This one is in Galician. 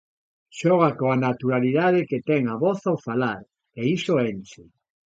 Xoga coa naturalidade que ten a voz ao falar, e iso enche.